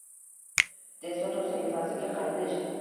De Soto sahifasiga qaytish